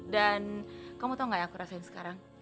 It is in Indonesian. dan kamu tahu nggak yang aku rasain sekarang